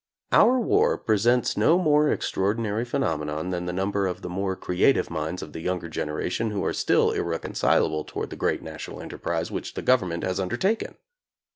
Our war presents no more extraordinary phenomenon than the number of the more creative minds of the younger generation who are still ir reconcilable toward the great national enterprise which the government has undertaken.